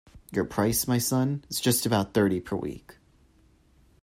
Your price, my son, is just about thirty per week.